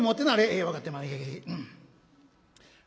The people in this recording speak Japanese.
「ええ分かってま」。